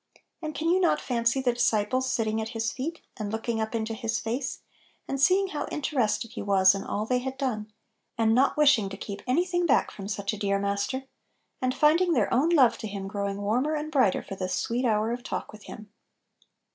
And can you not fancy the dis ciples sitting at His feet, and looking up into His face, and seeing how in 54 Little Pillows. terested He was in all they had done, and not wishing to keep any thing back from such a dear Master, and finding their own love to Him growing warmer and brighter for this sweet hour of talk with Him